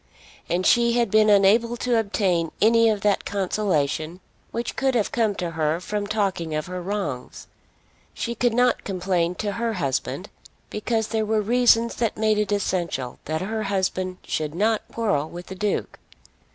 And she had been unable to obtain any of that consolation which could have come to her from talking of her wrongs. She could not complain to her husband, because there were reasons that made it essential that her husband should not quarrel with the Duke.